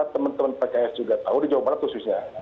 teman teman pks juga tahu di jawa barat khususnya